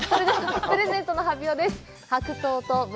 プレゼントの発表です。